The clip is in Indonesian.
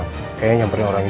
kayaknya nyamperin orang itu